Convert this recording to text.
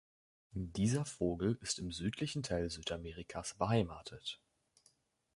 Dieser Vogel ist im südlichen Teil Südamerikas beheimatet.